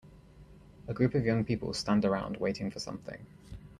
A group of young people stand around waiting for something.